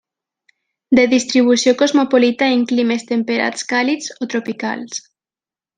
De distribució cosmopolita en climes temperats càlids o tropicals.